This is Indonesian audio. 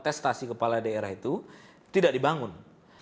meminta mahar pencalonan